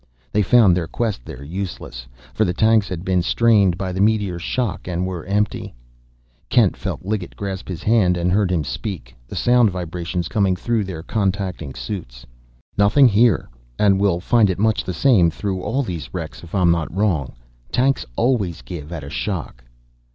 They found their quest there useless, for the tanks had been strained by the meteor's shock, and were empty. Kent felt Liggett grasp his hand and heard him speak, the sound vibrations coming through their contacting suits. "Nothing here; and we'll find it much the same through all these wrecks, if I'm not wrong. Tanks always give at a shock."